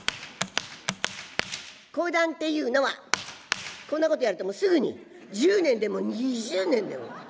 講談っていうのはこんなことやるともうすぐに１０年でも２０年でも。